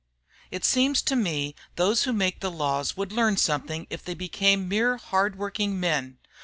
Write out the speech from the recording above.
"It seems to me those who make the laws would learn something if they would become mere hard working men.